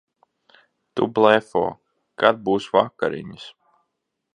Tu blefo. Kad būs vakariņas?